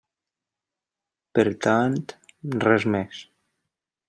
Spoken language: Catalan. Per tant, res més.